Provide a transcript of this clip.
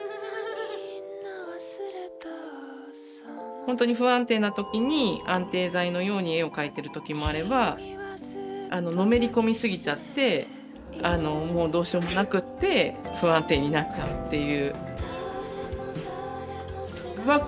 本当に不安定な時に安定剤のように絵を描いている時もあればのめり込み過ぎちゃってもうどうしようもなくって不安定になっちゃうっていう。